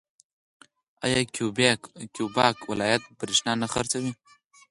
آیا کیوبیک ولایت بریښنا نه خرڅوي؟